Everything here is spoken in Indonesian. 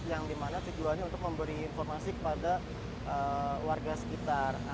yang dimana tujuannya untuk memberi informasi kepada warga sekitar